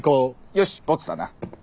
よしボツだな。